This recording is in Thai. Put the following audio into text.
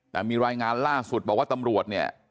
แต่มีรายงานล่าสุดบอกว่าตำรวจเนี่ย